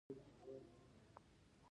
چې څنګه صنعت جوړ کړو.